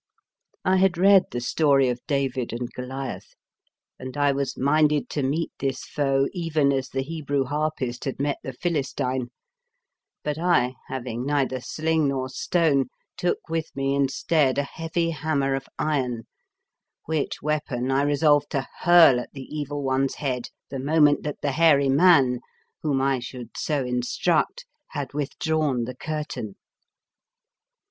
I had read the story of David and 90 The Fearsome Island Goliath, and I was minded to meet this foe even as the Hebrew Harpist had met the Philistine; but I, having neither sling nor stone, took with me instead a heavy hammer of iron, which weapon I resolved to hurl at the evil one's head the moment that the hairy man, whom I should so instruct, had withdrawn the curtain.